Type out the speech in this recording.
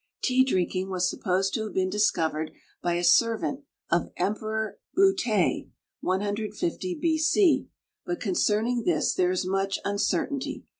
Tea drinking was supposed to have been discovered by a servant of Emperor Buttei, 150 B. C., but concerning this there is much uncertainty.